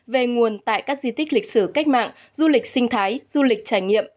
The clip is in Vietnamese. về nguồn tại các di tích lịch sử cách mạng du lịch sinh thái du lịch trải nghiệm